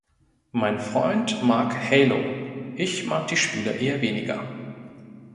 Mein Freund mag "Halo", ich mag die Spiele eher weniger